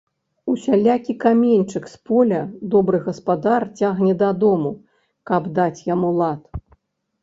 Усялякі каменьчык з поля добры гаспадар цягне дадому, каб даць яму лад.